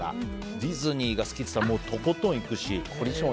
ディズニーが好きってなったらどんどん行くし。